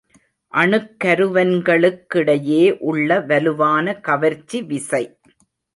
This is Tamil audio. அணுக்கருவன்களுக்கிடையே உள்ள வலுவான கவர்ச்சி விசை.